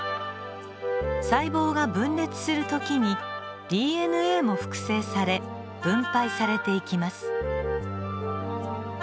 細胞が分裂する時にＤＮＡも複製され分配されていきます。